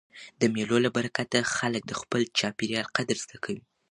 د مېلو له برکته خلک د خپل چاپېریال قدر زده کوي.